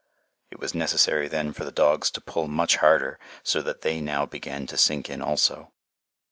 It was necessary then for the dogs to pull much harder, so that they now began to sink in also.